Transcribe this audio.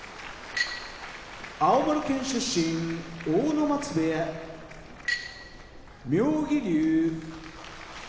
青森県出身阿武松部屋妙義龍